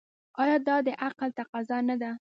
آیا دا د عقل تقاضا نه ده؟